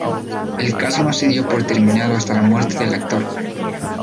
El caso no se dio por terminado hasta la muerte del actor.